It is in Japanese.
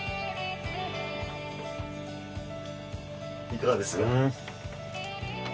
いかがですか？